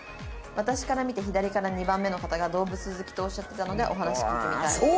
「私から見て左から２番目の方が動物好きとおっしゃってたのでお話聞いてみたい」。